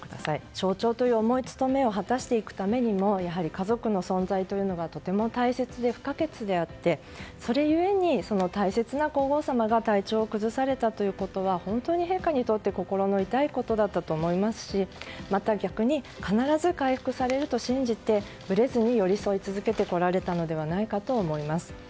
象徴という重い務めを果たしていくためにもやはり家族の存在というのはとても大切で不可欠であってそれゆえに大切な皇后さまが体調を崩されたことは本当に陛下にとって心の痛いことだったと思いますしまた逆に必ず回復されると信じてぶれずに寄り添い続けてこられたのではないかと思われます。